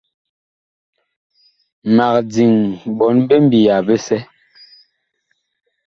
Mag diŋ ɓɔɔn bi mbiya bisɛ.